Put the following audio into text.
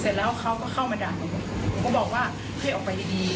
เสร็จแล้วเขาก็เข้ามาด่าหนูหนูก็บอกว่าให้ออกไปดีดี